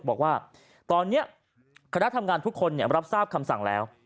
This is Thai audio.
บอกว่าตอนนี้คณะทำงานทุกคนรับทราบคำสั่งแล้ว